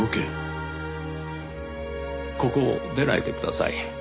ここを出ないでください。